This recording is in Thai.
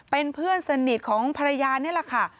เป็นเพื่อนสนิทของภรรยานี่แหละค่ะ